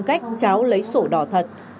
cách cháu lấy sổ đỏ thật